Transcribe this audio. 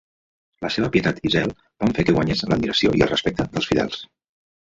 La seva pietat i zel van fer que guanyés l'admiració i el respecte dels fidels.